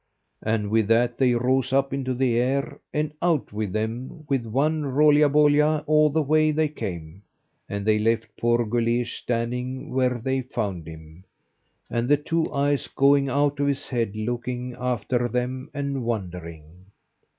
And with that they rose up into the air, and out with them with one roolya boolya the way they came; and they left poor Guleesh standing where they found him, and the two eyes going out of his head, looking after them and wondering.